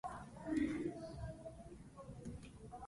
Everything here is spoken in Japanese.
群馬県神流町